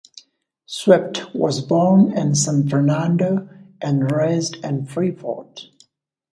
Swift was born in San Fernando and raised in Freeport.